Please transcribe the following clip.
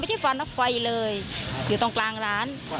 ไม่ใช่ฟันเป็นไฟเลยอยูตรงกลางร้าน